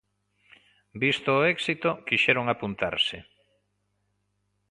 Visto o éxito, quixeron apuntarse.